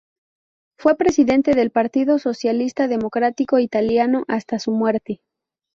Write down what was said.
Fue presidente del Partido Socialista Democrático Italiano hasta su muerte.